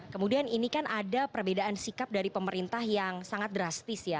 kemudian ini kan ada perbedaan sikap dari pemerintah yang sangat drastis ya